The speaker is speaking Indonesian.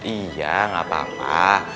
iya tidak apa apa